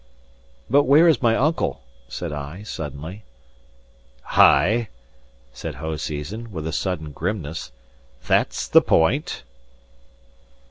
"But where is my uncle?" said I suddenly. "Ay," said Hoseason, with a sudden grimness, "that's the point."